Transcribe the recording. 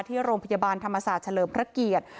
ที่โรงพยาบาลธรรมศาสตร์เฉลิมพระเกียรติ